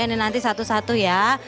ini nanti satu satu ya